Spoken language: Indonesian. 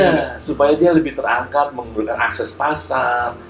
ya supaya dia lebih terangkat menggunakan akses pasar